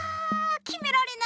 きめられない！